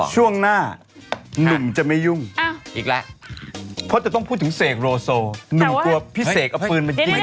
ช่วงหน้าหนุ่มจะไม่ยุ่งอีกแล้วเพราะจะต้องพูดถึงเสกโลโซหนุ่มกลัวพี่เสกเอาปืนมายิง